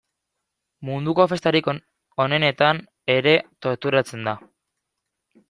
Munduko festarik onenetan ere torturatzen da.